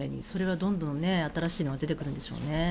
それはどんどん新しいのが出てくるでしょうね。